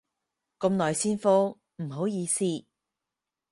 咁耐先覆，唔好意思